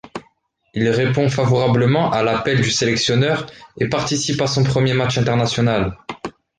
Il répond favorablement à l'appel du sélectionneur et participe à son premier match international.